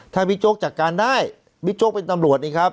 ถ้าบิ๊กโจ๊กจัดการได้บิ๊กโจ๊กเป็นตำรวจนี่ครับ